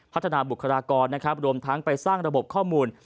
พัฒนาบุคลากรรวมทั้งไปสร้างระบบข้อมูล